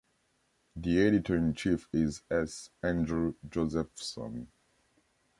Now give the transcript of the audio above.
The editor-in-chief is S. Andrew Josephson.